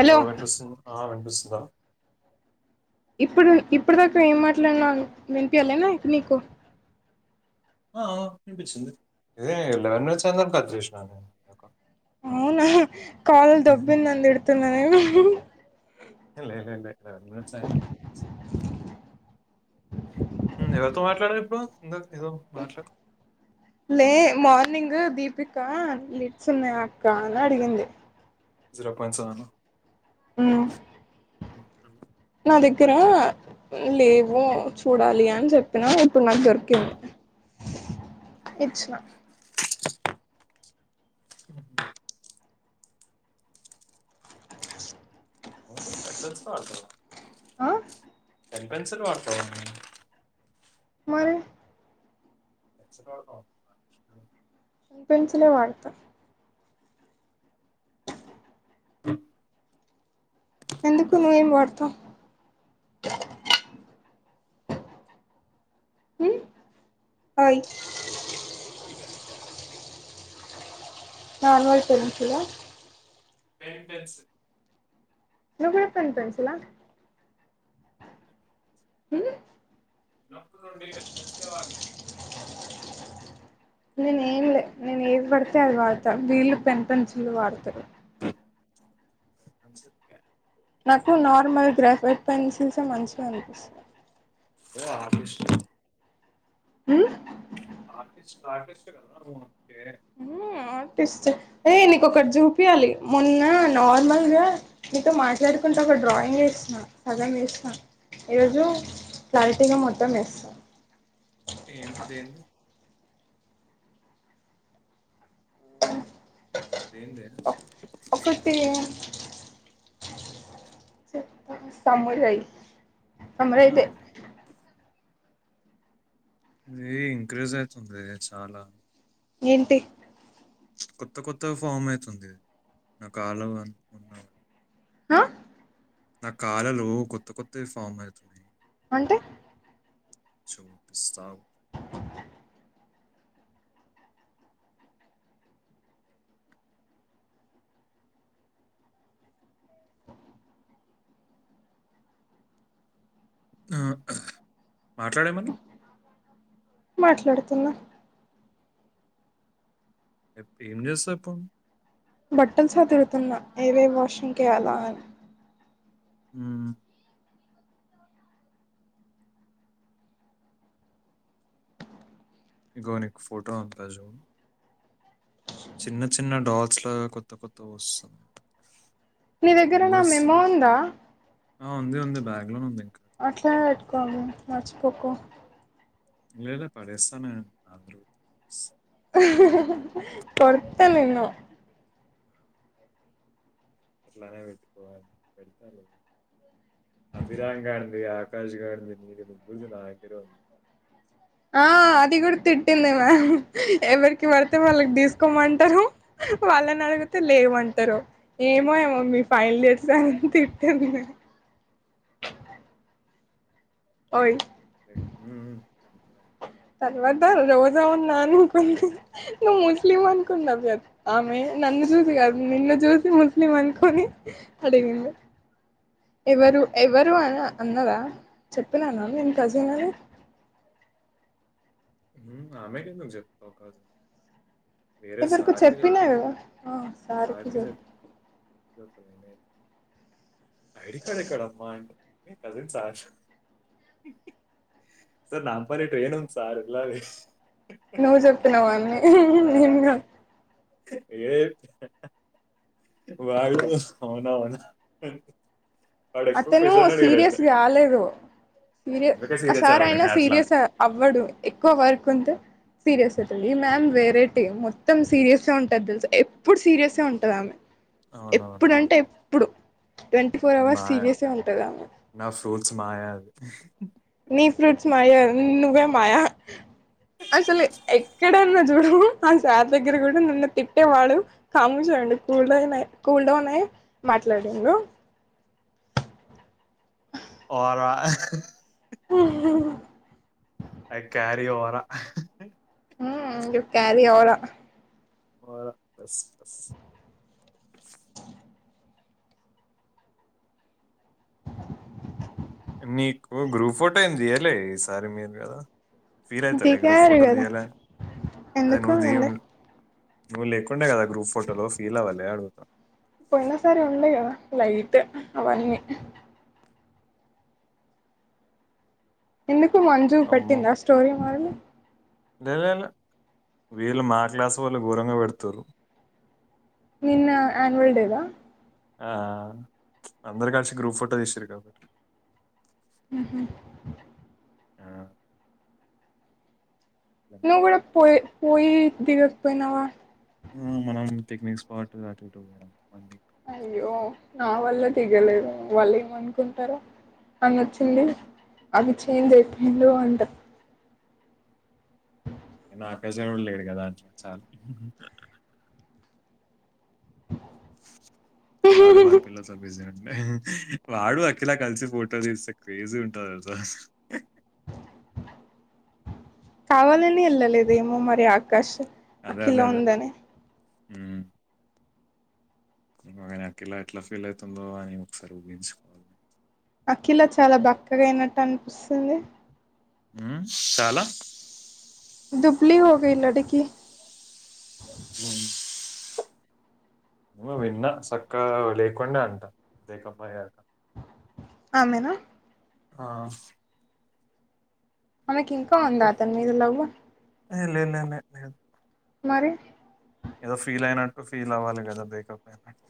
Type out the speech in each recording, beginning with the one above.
Hello వినిపిస్ ఆ విన్పిస్తుందా ఇప్పుడు ఇప్పుడు దాక ఏం మాట్లాడిన వినిపియ లేన ఇంక నీకు ఆ వినిపించింది ఇదే ఎలెవెన్ వచ్చందని కట్ చేసిన అవునా కాల్ దోబింది అని తిడుతున్నా నేను లే లే లే లెవన్ మినిట్స్ అయింది అని ఉమ్ ఎవరితో మాట్లాడారు ఇప్పుడు ఇందా లే మార్నింగ్ దీపి కా లిట్స్ ఉన్నాయ అక్క అని అడిగింది జరా పంచు అను ఉమ్ నా దగ్గర లేవు చూడాలి అని చెప్పిన ఇప్పుడు నాకు దొరికింది ఇచ్చిన టెన్ అవును పెన్ పెన్సిల్ వాడతావా ఆ పెన్సిల్ వాడతావా నువ్వు మరి పెన్సిల్ వాడతావా పెన్ పెన్సిల్ ఏ వాడతా ఎందుకు నువ్వేం వాడుతవవ్ మ్మ్ ఓయ్ నార్మల్ పెన్సిలా పెన్ పెన్సిల్ నువ్ పెన్ పెన్సిలా మ్ చిన్నప్పుడు నుండి పెన్ పెన్సిలే వాడను నేను ఏం లే నేను ఏది పడితే అది వాడతాను వీళ్ళు పెన్ పెన్సిలే వాడతారు అందుకే నాకు నార్మల్ గ్రాఫిట్ పెన్సిల్సే మంచిగా అనిపిస్తయ్ ఓ ఆర్టిస్ట్ ఉమ్ ఆర్టిస్ట్ ఆర్టిస్ట్ కద నువు మ్మ్ ఆర్టిస్ట్ ఏ నీ ఒకటి చూపియాలి మొన్న నార్మల్ గా నీతో మాట్లాడుకుంట ఒక డ్రాయింగ్ వేసిన సగం వేసిన ఈరోజు క్లారిటీ గా మొత్తం వేస్తా ఏంటిదెంది ఏందే ఒకటి చెప్తా సమ్మురై సమరయితే ఆ! ఇది ఇంక్రీజ్ అయితుందే చాలా ఏంటి కొత్త కొత్త గా ఫామ్ అవుతుంది నా కాలు ఉ ఉన్నవి ఆ నా కాలలో కొత్త కొత్తవి ఫామ్ అయితున్నాయి అంటే చూపిస్తావు ఉమ్ మాట్లాడేమని మాట్లాడుతున్నా ఎప్పు ఏం చేస్తా ఇప్పు నువ్ బట్టలు సదురుతున్న ఏవేవి వాషింగ్కి కేయల అని ఉమ్ ఇగో నీకు ఫోటో పంపుతా చూడు చిన్న చిన్న డాల్స్ లాగా కొత్త కొత్త వస్తుంనాయి నీ దగ్గర నా మెమో ఉందా బ్యాగ్లో నే ఉంది ఇంకా కానీ మర్చిపోకు లేదు పడేస్తా నేను [unintelligible] హా హా కొడుత నిన్ను అట్లానే పెట్టుకోవాలి పెడతాలే అభిరాం గాదీ ఆకాష్గాడిది నీది ముగ్గురుది నా దగ్గరే ఉంది ఆ అది కూడా తిట్టింది మ్యామ్ ఎవరికి పడితే వాళ్ళకి తీసుకోమంటారు వాళ్ళని అడిగితే లేవంటారు ఏమో ఏమో మీ ఫైన్ లియర్స్ అన్ తిట్టేంది ఓయ్ ఏ ఉమ్ ఉమ్ [unintelligible] తర్వాత రోజా ఉన్నా అనుకుంది నువ్వు ముస్లిం అనుకున్నద్ ఆమె నన్ను చూసి ఆ, కాదు నిన్ను చూసి ముస్లిం అనుకొని అడిగింది ఎవరు ఎవరు అనా అన్నారా చెప్పిననా నేన్ కజిన్ అని ఉమ్ ఆమె కెందుకు చెప్తావ్ కజిన్ అని ఎవరిలో చెప్పినా కదా ఆ సారికి చోప్ గోకవినే ఐడి కార్డు ఎక్కడమ్మా అంటే cousin sir sir Nampally train ఉంది సార్ వెళ్ళాలి నువ్వు చెప్తున్నావు అన్నీ నేన్ కాదు ఏదేది బ్యాగ్ లో పోస్ అవున అతను సీరియస్ కాలేదు సీరియస్ అందుకే ఆ సీరియస్ సార్ అవ్వాలి అయినా నేను అట్లా సీరియస్ ఆ అవ్వడు ఎక్కువ వర్క్ ఉంటె సీరియస్ అయితది ఈ మ్యామ్ వేరే టీ మొత్తం సీరియస్ గా ఉంటుది తెలుస ఎప్పుడు సీరియస్ గా ఉంటది ఆమె ఎప్పుడు అవునవును అంటే ఎప్పుడు ట్వంటీ ఫోర్ అవర్స్ ఆయా సీరియసే ఉంటది ఆమె నా ఫ్రూట్స్ మాయా అది నీ ఫ్రూట్స్ మాయ కద్ నువ్వే మాయా అసలు ఎక్కడన్నా చూడు ఆ సార్ దగ్గర కూడా నన్ను తిట్టేవాడు కాము చూడండి కూల్ డౌన్ అయి కూల్ డౌన్ అయి మాట్లాడాను ఓల ఉహ్మ్ హూ అవి క్యారి ఆవల ఉమ్ క్యారీ ఆవల పోవాలా బస్ బస్ నీకు గ్రూప్ ఫొటో ఏమి చేయలే ఈ సారీ మీర్ కదా ఫీల్ అయితలే గ్రూప్ దిగారు ఫోటో కదా దియాల అని అదే ఎందుకు నువ ది ఎందు [unintelligible] నువ్వు లేకుండే కదా గ్రూప్ ఫోటోలో ఫీల్ అవ్వాలే అడుగుతా పోయినా సరి ఉండ కదా లైట్ అవన్నీ ఎందుకు మంజు అమ్మో పెట్టిందా స్టోరీ మరీ లే [unintelligible] వీళ్ళు మా క్లాసు వాళ్లే గోరంఘ పెడతూరు నిన్న ఆన్యువల్ డేద ఆ అందరు కలిసి గ్రూప్ ఫోటో తీస్తారు కాబట్టి ఊహు ఆ, ను ఇంకా. కూడా పో పోయి దిగపోయినావా ఆ మనం పిక్నిక్ స్పాట్ అటెటో పోయాం అయ్యో నా వల్ల తిగలేద వాళ్ళు ఏమనుకుంటరొ ఆమోచ్చింది ఆడు చేంజ్ ఐపోయిండు అంట నా కజీన్ కూడా లేడు కదా అట్లా చాలు ఆడు వాని పిల్లతో బిజీ ఐయిండు వాడు అఖిలా కలిసి ఫోటో తీస్తే క్రేజీ ఉంటంది కదా అసల్ కావాలని వెళ్ళలేదేమో మరి ఆకాష్ అఖిల ఉందని ఊ నేను అఖిల ఎట్లా ఫీల్ ఐతుందో అని ఒకసారి ఊహించుకో అఖిలా చాలా బక్కగా అయినట్టు అనిపిస్తుంది ఉ చాలా దుబ్లి హగలా [unintelligible] డికి అవు నువు విన్నా సక్కా లేకుండే అంటా బ్రేకప్ ఆయ్యాక ఆమేనా ఆ ఆమెకి ఇంకా ఉందా అతని మీద లవ్వు లేలే అమ [unintelligible] మరి ఏదో ఫీల్ అయినట్టు ఫీల్ అవ్వాలి కదా బ్రేకప్ అయినట్టు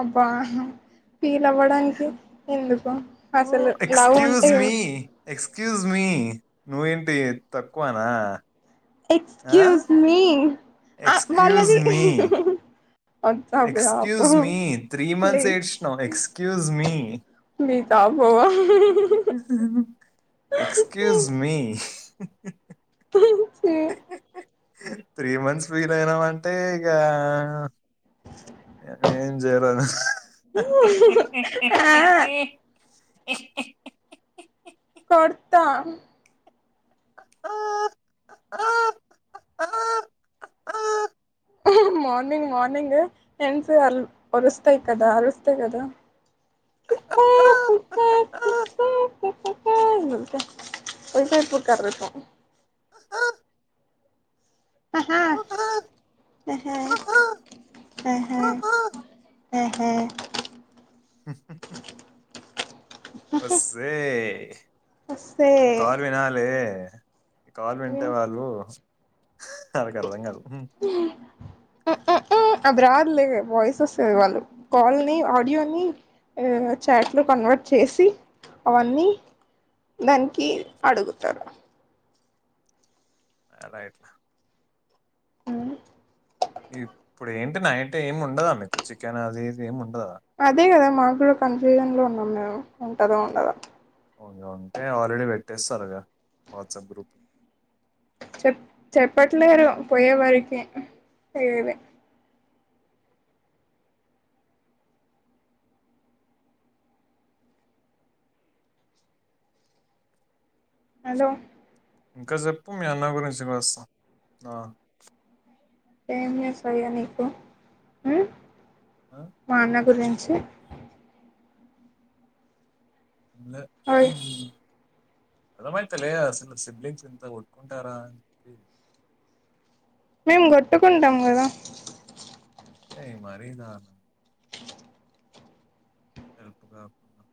అబ్బ పీలవ్వడానికి ఎందు ఓ అసలు లవ్వు ఎక్స్క్యూజ్ ఉంటే మీ ఎక్స్క్యూజ్ మీ నువ్వేంటి తక్కువనా ఆ ఎక్స్క్యూస్ మీ ఆ వాళ్ళది ఎక్స్క్యూస్ మీ త్రీ మంత్స్ ఏడ్చినం ఎక్స్క్యూస్ మీ మీత పోవా ఎక్స్క్యూస్ మీ ంచ [unintelligible] త్రీ మంత్స్ వీల్ అయినామ అంటే ఇగా నేను ఎం చేయలేదు ఏ కొడతా మార్నింగ్ మార్నింగ్ ఏ ఎన్ సే వాళ్ళు అ ఒరుస్తాయి కదా అరుస్తాయి కదా [unintelligible] ఆహా ఆహా అహ ఉహు నమస్తే వస్తే ఈ కాల్ వినాలే ఈ కాల్ వింటే విన్ వాళ్ళు వాళ్ళకు అర్థం కాదు హు అది రాదులే వాయిస్ వస్తది వాళ్ళు కాల్ నీ ఆడియో నీ ఉ చాట్లు కన్వర్ట్ చేసి అవన్నీ దానికి అడుగుతారు అడైట్లా ఇప్పుడు ఏంటి నైట్ ఏమి ఉండదా మీకు చికెన్ అది ఇది ఏమి ఉం అదే కదా మాకు కూడా కన్ఫ్యూజన్ లో ఉన్నాం మేము ఉంటదొ ఉండదొ ఉంగ ఉంటే ఆల్రెడీ పెట్టేస్తారుగా వాట్సాప్ గ్రూప్ చెప్ చెప్పట్లేరు పోయే వరికి ఏవీ హలో ఇంకా చెప్పు మీ అన్న గురించి మస్తు ఆ ఏం చెప్పాలి ఇగ నీకు ఉ మా అన్న గురించి ఛా లే అయ్ ఉమ్ అర్థమైతలే అసలు సిబ్లింగ్స్ ఇంత కొట్టుకుంటారా అని చెప్పి మేము కొట్టుకుంటాం కదా ఏ మరి దారుణం గప్ గప్ గాప్.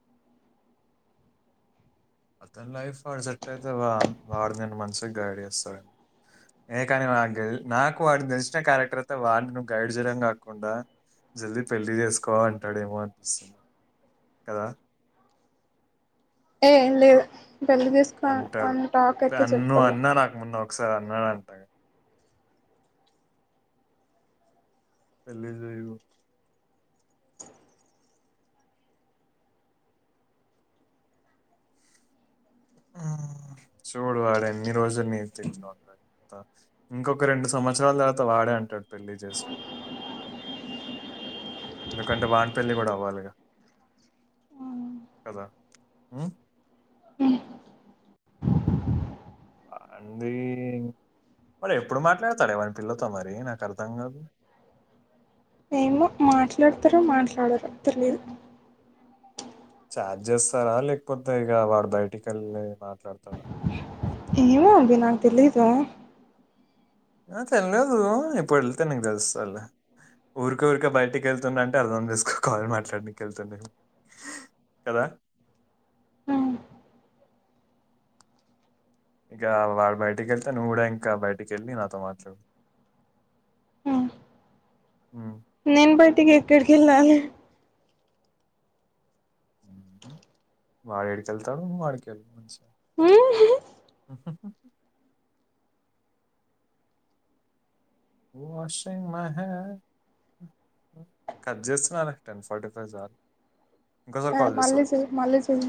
అతని లైఫ్ వాడిసెట్ అయితే వా వాడు నేను మంచిగా గైడ్ చేస్తాడు ఏ కాని గ నాకు వాడిని తెెలిసిన క్యారెక్టర్ అయితే వాడిని నువ్వు గైడ్ చేయడం కాకుండా జల్దీ పెళ్లి చేసుకో అంటడేమో అనిపిస్తుంది కదా ఏ లేదు పెళ్లి చేసుకో అంటాడు అని టాక్ ఐతే అన్ను చెప్పలే అన్నా నాకు మొన్న ఒకసారి అన్నడు అంటగా పెళ్లి చేయు ఊ చూడు వాడు ఎన్ని రోజులని [unintelligible] ఇంకొక రెండు సంవత్సరాల తర్వాత వా వాడే అంటాడు పెళ్లి చేసుకోని ఎందుకంటే వాని పెళ్ళికూడా అవ్వాలిగా కదా ఊ ఆంది వాడు ఎప్పుడు మాట్లాడతడే వాని పిల్లతో మరి నాకు అర్థం కాదు ఏమో మాట్లాడతడో మాట్లాడడో తెలియదు చాట్ చేస్తారా లేకపోతే ఇగ వాడు బయటి కెళ్ళి మాట్లాడతడ ఏమో అది నాకు తెలిదురా ఆ తెలియదు ఇప్పుడు వెళితే నీకు తెలుస్తది లె ఊరికె ఊరికే బయటికి వెళ్తుండు అంటే అర్థం చేసుకో కాల్ మాట్లానికి వెళ్తుండని కద ఇక వాడు బయటికి వెళ్తే నువ్వు కూడా ఇంకా బయటికి వెళ్ళి నాతో మాట్లాడు ఊ నేను బయటికి ఎక్కడికి వెళ్ళాలి ఊహు వాడేడికి వెళ్తాడు వాడికేదో మంచి ఊ వాషింగ్ మెహె కట్ చేస్తున్నానే టెన్ ఫార్టీ ఫైవ్ చాలు ఇంకోసారి సర్ కాల్ చేస్తా మళ్ళీ చు మళ్ళీ చూడు